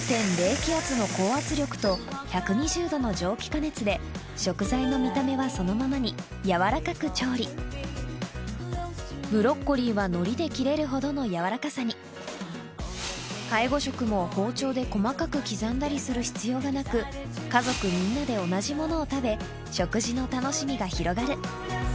気圧の高圧力と１２０℃の蒸気加熱で食材の見た目はそのままにやわらかく調理ブロッコリーは海苔で切れるほどの軟らかさに介護食も包丁で細かく刻んだりする必要がなく食事の楽しみが広がる